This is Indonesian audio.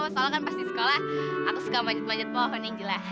soalnya kan pas di sekolah aku suka manjut manjut pohon yang gila